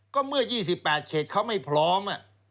ก็เมื่อ๒๘เขตเขาไม่พร้อม